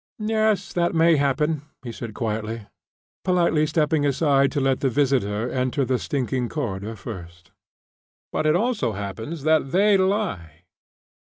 "Yes, that may happen," he said quietly, politely stepping aside to let the visitor enter, the stinking corridor first. "But it also happens that they lie.